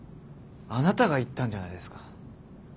あなたが言ったんじゃないですか。